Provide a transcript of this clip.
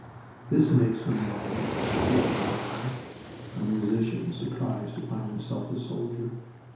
"This makes for madness," said a friend of mine, a musician surprised to find himself a soldier.